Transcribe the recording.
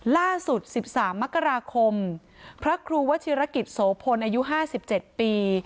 ล่าสุด๑๓มกราคมพระครูวชิรกิจโสพลอายุ๕๗ปี